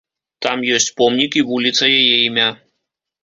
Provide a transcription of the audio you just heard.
Там ёсць помнік і вуліца яе імя.